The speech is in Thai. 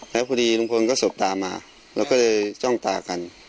แล้วพอดีลุงพลก็สบตามาเราก็เลยจ้องตากัน